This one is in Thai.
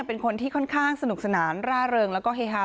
เป็นคนที่ค่อนข้างสนุกสนานร่าเริงแล้วก็เฮฮา